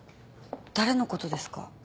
誰のことですか？